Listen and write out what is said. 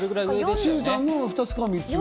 しずちゃんの２つか３つ上？